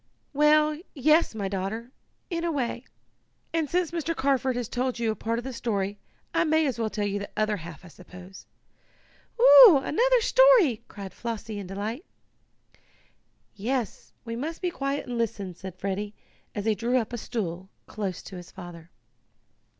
"Well, yes, daughter, in a way. And, since Mr. Carford has told you part of the story, I may as well tell you the other half, I suppose." "Oh, another story!" cried Flossie, in delight. "Yes, we must be quiet and listen," said Freddie, as he drew up a stool close to his father.